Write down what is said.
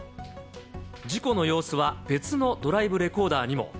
事故の様子は別のドライブレコーダーにも。